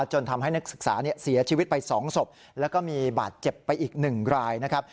จนทำให้นักศึกษาเสียชีวิตไป๒ศพแล้วก็มีบาดเจ็บไปอีก๑รายนะครับ